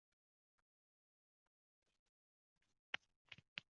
Hozirdan qo`yib bersangiz, boshingizga chiqadi